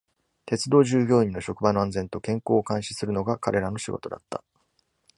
鉄道従業員の職場の安全と健康を監視するのが彼らの仕事だった。